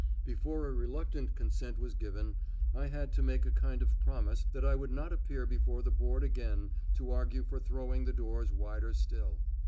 Before a reluctant consent was given I had to make a kind of promise that I would not appear before the Board again to argue for throwing the doors wider still.